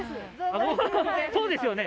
そうですよね。